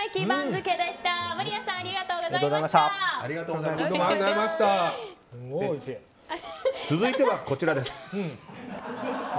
続いてはこちらです。